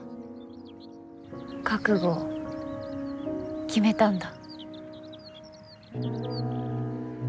覚悟決めたんだ。